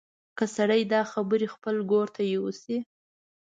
که سړی دا خبرې خپل ګور ته یوسي.